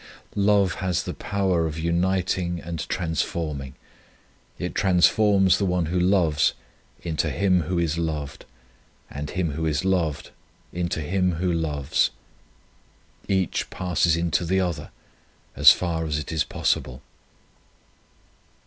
Love has the power of uniting and transforming ; it transforms the one who loves into him who is loved, and him who is loved into him who loves. Each passes into the other, as far as it is possible.